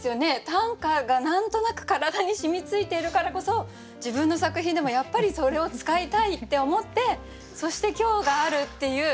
短歌が何となく体に染みついているからこそ自分の作品でもやっぱりそれを使いたいって思ってそして今日があるっていう。